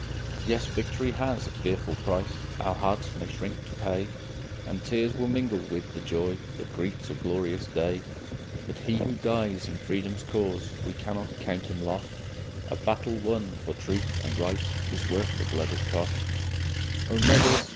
Yes, victory has a fearful price Our hearts may shrink to pay, And tears will mingle with the joy That greets a glorious day. But he who dies in freedom's cause, We cannot count him lost; A battle won for truth and right Is worth the blood it cost! O mothers!